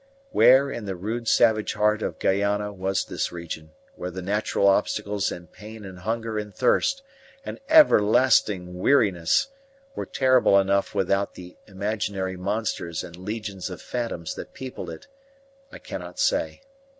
Where in the rude savage heart of Guiana was this region where the natural obstacles and pain and hunger and thirst and everlasting weariness were terrible enough without the imaginary monsters and legions of phantoms that peopled it, I cannot say.